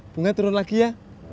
punya turun lagi ya